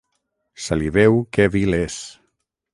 Se li veu que vil és.